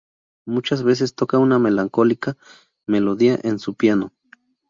Muchas veces toca una melancólica melodía en su piano.